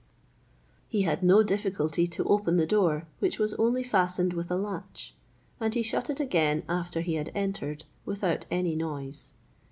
He had no difficulty to open the door, which was only fastened with a latch, and he shut it again after he had entered, without any noise.